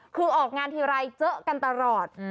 คือออกงานทีไรเจอกันตลอด